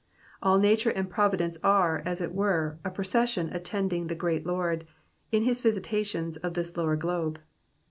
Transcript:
All nature and providence are, as it were, a procession attending the great Lord, in his I'isitations of this lower globe.